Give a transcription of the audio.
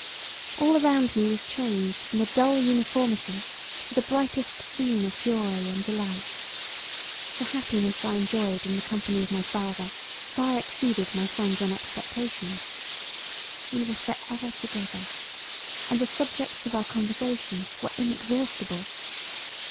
All around me was changed from a dull uniformity to the brightest scene of joy and delight. The happiness I enjoyed in the company of my father far exceeded my sanguine expectations. We were for ever together; and the subjects of our conversations were inexhaustible.